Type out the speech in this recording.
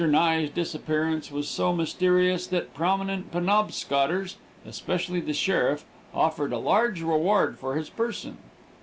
Nye's disappearance was so mysterious that prominent Penobscoters, especially the sheriff, offered a large reward for his person.